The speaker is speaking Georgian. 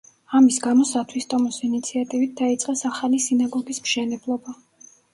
ამის გამო სათვისტომოს ინიციატივით დაიწყეს ახალი სინაგოგის მშენებლობა.